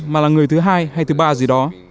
mà là người thứ hai hay thứ ba gì đó